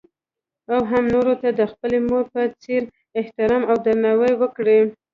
او هـم نـورو تـه د خـپلې مـور پـه څـېـر احتـرام او درنـاوى وکـړي.